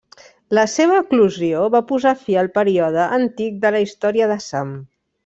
La seva eclosió va posar fi al període antic de la història d'Assam.